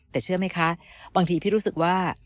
แต่เชื่อไหมคะบางทีพี่รู้สึกว่า